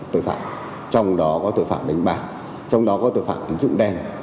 trong đó có tội phạm đánh bạc trong đó có tội phạm tính dụng đen